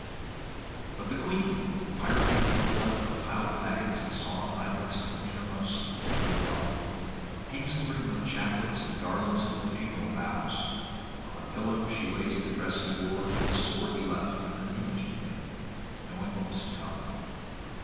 ... [504 538]But the Queen, the pyre being built up of piled faggots and sawn ilex in the inmost of her dwelling, hangs the room with chaplets and garlands it with funeral boughs: on the pillow she lays the dress he wore, the sword he left, and an image of him, knowing what was to come.